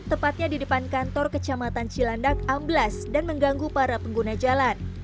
tepatnya di depan kantor kecamatan cilandak amblas dan mengganggu para pengguna jalan